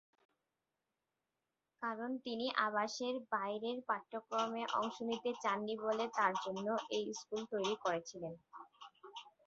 কারণ তিনি আবাসের বাইরের পাঠ্যক্রমে অংশ নিতে চান নি বলে তাঁর জন্য এ স্কুল তৈরি করেছিলেন।